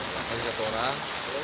masih satu orang